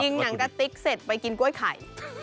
หนังกะติ๊กเสร็จไปกินกล้วยไข่